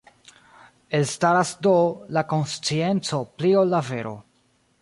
Elstaras, do, la konscienco pli ol la vero.